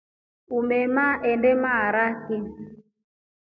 Umema endema maharaki.